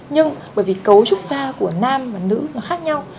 nhưng bởi vì cấu trúc da của nam và nữ nó khác nhau